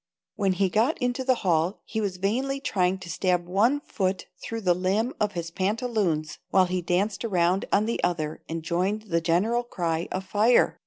When he got into the hall he was vainly trying to stab one foot through the limb of his pantaloons while he danced around on the other and joined in the general cry of "Fire!"